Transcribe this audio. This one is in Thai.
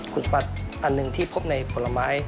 คุณสมบัติอันนึงที่พบในผลไม้